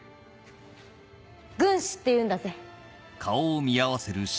軍師っていうんだぜ。